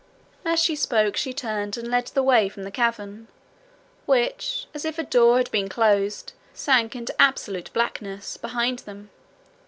As she spoke she turned and led the way from the cavern, which, as if a door had been closed, sank into absolute blackness behind them.